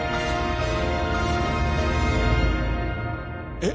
えっ！